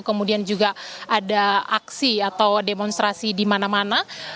kemudian juga ada aksi atau demonstrasi di mana mana